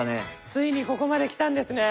ついにここまできたんですね！